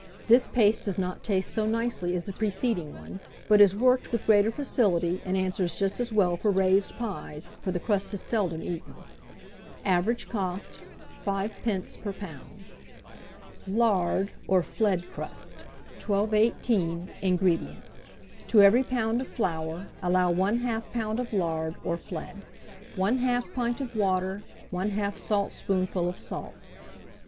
This paste does not taste so nicely as the preceding one, but is worked with greater facility, and answers just as well for raised pies, for the crust is seldom eaten. Average cost, 5d, per lb. LARD OR FLEAD CRUST. 1218. INGREDIENTS. To every lb. of flour allow 1/2 lb. of lard or flead, 1/2 pint of water, 1/2 saltspoonful of salt.